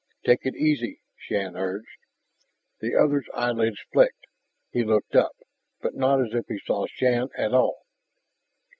"Take it easy!" Shann urged. The other's eyelids flicked. He looked up, but not as if he saw Shann at all.